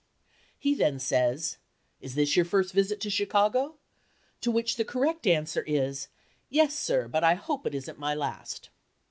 He then says, "Is this your first visit to Chicago?" to which the correct answer is, "Yes, sir, but I hope it isn't my last."